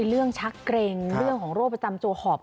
ชักเกร็งเรื่องของโรคประจำตัวหอบ